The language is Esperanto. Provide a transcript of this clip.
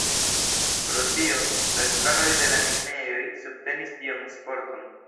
Pro tio, la estraroj de la minejoj subtenis tiun sporton.